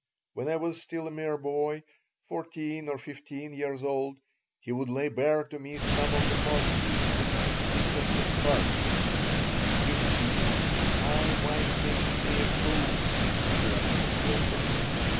When I was still a mere boy, fourteen or fifteen years old, he would lay bare to me some of the most intimate secrets of his heart "You see, my wife thinks me a fool," he once complained to me.